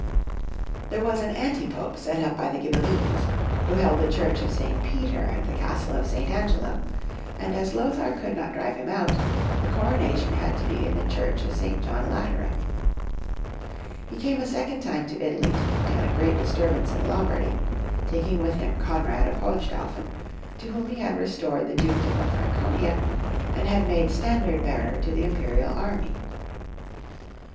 There was an Antipope set up by the Ghibellines, who held the Church of St. Peter and the Castle of St. Angelo, and as Lothar could not drive him out, the coronation had to be in the Church of St. John Lateran. He came a second time to Italy to put down a great distiu'bance in Lombardy, taking with him Konrad of Hohen staufen, to. whom he had restored the dukedom of Franconia, and had made standard bearer to the Imperial army.